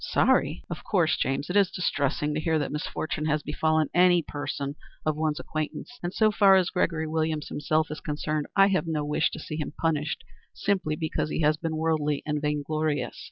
"Sorry? Of course, James, it is distressing to hear that misfortune has befallen any person of one's acquaintance, and so far as Gregory Williams himself is concerned I have no wish to see him punished simply because he has been worldly and vainglorious.